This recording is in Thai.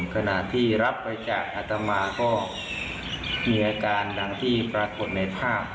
ขณะที่รับไปจากอัตมาก็มีอาการดังที่ปรากฏในภาพ